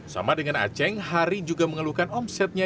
sama dengan aceh hari juga mengeluhkan omsetnya